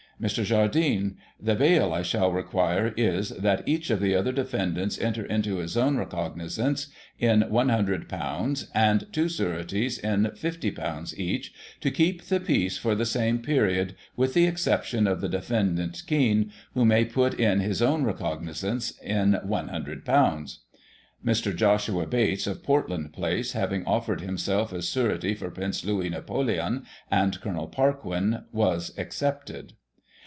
Mr. Jardine : The bail I shall require is, that each of the other defendants enter into his own recognizance in iJ'ioo, and two sureties in £^0 each, to keep the 'peace for the same period, with the exception of the defendant Kien, who may put in his own recognizances in ;£'ioo. Mr. Joshua Bates, of Portland Place, having offered him self as surety for Prince Louis Napoleon and Col. Parquin, was accepted.